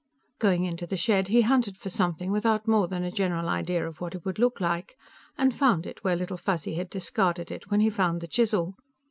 Going into the shed, he hunted for something without more than a general idea of what it would look like, and found it where Little Fuzzy had discarded it when he found the chisel.